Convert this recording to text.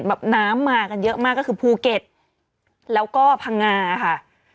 แบบน้ำมากันเยอะมากก็คือภูเก็ตแล้วก็พังงาค่ะ